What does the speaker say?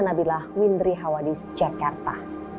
nabilah windri hawadis jakarta